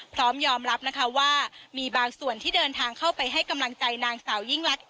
พร้อมยอมรับนะคะว่ามีบางส่วนที่เดินทางเข้าไปให้กำลังใจนางสาวยิ่งรัก